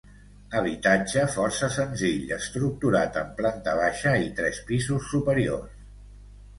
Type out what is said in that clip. Habitatge força senzill estructurat en planta baixa i tres pisos superiors.